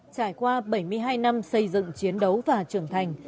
trải qua bảy mươi hai năm xây dựng chiến đấu và trưởng thành